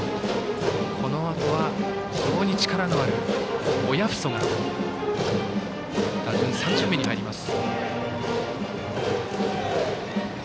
このあとは非常に力のある親富祖が打順３巡目に入ります。